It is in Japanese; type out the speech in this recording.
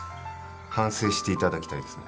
反省して頂きたいですね。